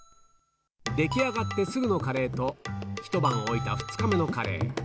出来上がってすぐのカレーと、一晩置いた２日目のカレー。